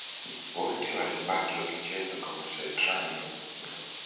Wote walibaki wakicheza kwa mashetrani wekundu